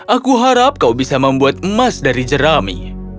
aku harap kau bisa membuat emas dari jerami